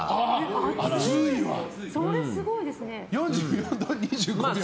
それは熱いですね。